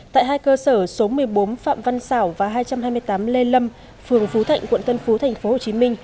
tại hai cơ sở số một mươi bốn phạm văn xảo và hai trăm hai mươi tám lê lâm phường phú thạnh quận tân phú tp hcm